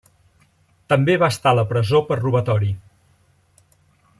També va estar a la presó per robatori.